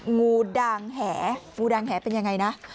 งูด่างแห่งูดางแหเป็นยังไงนะ